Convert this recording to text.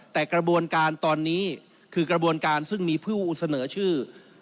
แต่กระบวนการตอนนี้คือกระบวนการซึ่งมีผู้เสนอชื่อ